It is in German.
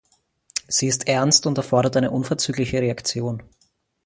Sie ist ernst und erfordert eine unverzügliche Reaktion.